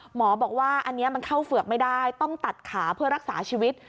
หมอบอกว่าอันนี้มันเข้าเฝือกไม่ได้ต้องตัดขาเพื่อรักษาชีวิต